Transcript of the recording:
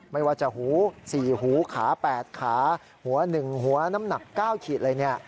ไม่ว่าจะหู๔หูขา๘ขาหัว๑หัวน้ำหนัก๙ขีดอะไรเนี่ย